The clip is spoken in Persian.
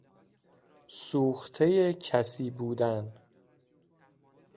سوخته کسی بودن